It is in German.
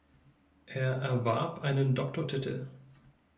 Er erwarb einen Doktortitel.